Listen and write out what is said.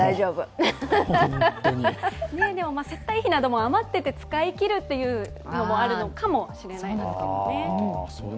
接待費なども余っていて、使いきるというのもあるのかもしれないですね。